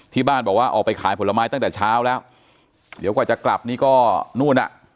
ที่บ้านบอกว่าออกไปขายผลไม้ตั้งแต่เช้าแล้วเดี๋ยวกว่าจะกลับนี่ก็นู่นอ่ะ